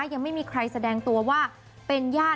ยังไม่มีใครแสดงตัวว่าเป็นญาติ